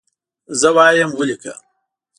زه وایم ولیکه.